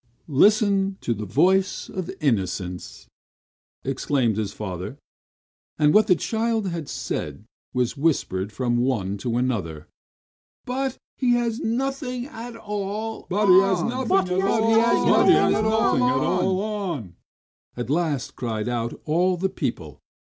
"Listen to the voice of innocence!" exclaimed his father; and what the child had said was whispered from one to another. "But he has nothing at all on!" at last cried out all the people.